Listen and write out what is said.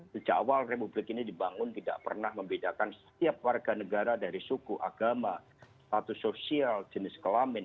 sejak awal republik ini dibangun tidak pernah membedakan setiap warga negara dari suku agama status sosial jenis kelamin